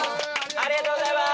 ありがとうございます！